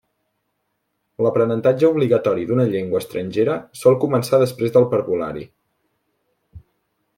L'aprenentatge obligatori d'una llengua estrangera sol començar després del parvulari.